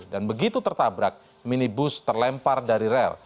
dan begitu tertabrak minibus terlempar dari rel